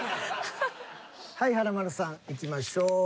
はい華丸さんいきましょう。